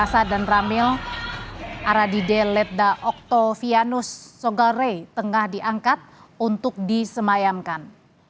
masa dan ramil aradide ledda oktavianus sogore tengah diangkat untuk disemayamkan